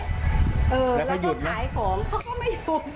แล้วทิ้งโยชน์เขาก็ไม่หยุด